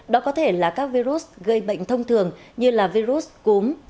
đó có thể là các virus gây bệnh thông thường như là virus cúm